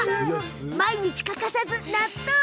毎日欠かさず納豆。